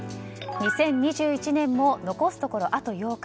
２０２１年も残すところ、あと８日。